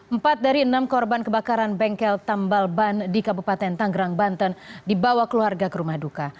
empat dari enam korban kebakaran bengkel tambal ban di kabupaten tanggerang banten dibawa keluarga ke rumah duka